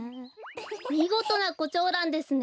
みごとなコチョウランですね。